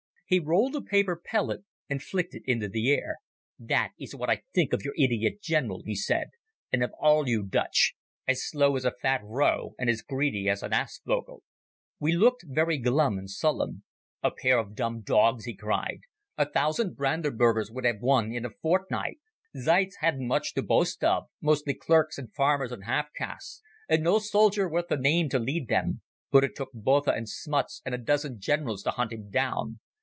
He rolled a paper pellet and flicked it into the air. "That is what I think of your idiot general," he said, "and of all you Dutch. As slow as a fat vrouw and as greedy as an aasvogel." We looked very glum and sullen. "A pair of dumb dogs," he cried. "A thousand Brandenburgers would have won in a fortnight. Seitz hadn't much to boast of, mostly clerks and farmers and half castes, and no soldier worth the name to lead them, but it took Botha and Smuts and a dozen generals to hunt him down.